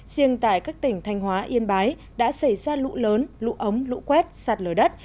riêng tại các tỉnh thanh hóa yên bái đã xảy ra lũ lớn lũ ống lũ quét sạt lở đất